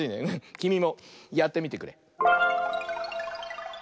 きみもやってみてくれ！